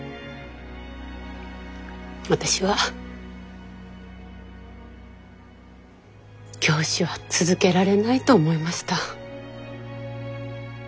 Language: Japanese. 私は教師は続けられないと思いました。